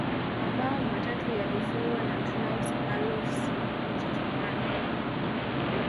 mabao matatu yalifungwa na klaus allofs wa ujerumani